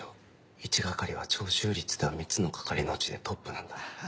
一係は徴収率では３つの係のうちでトップなんだ。